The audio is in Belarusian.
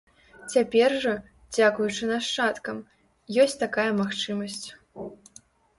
Цяпер жа, дзякуючы нашчадкам, ёсць такая магчымасць.